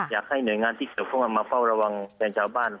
อยากให้หน่วยงานที่เกี่ยวข้องมาเฝ้าระวังแทนชาวบ้าน